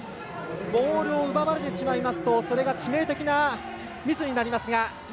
ボールを奪われてしまいますと、それが致命的なミスになります。